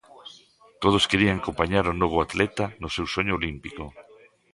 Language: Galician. Todos querían acompañar o novo atleta no seu soño olímpico.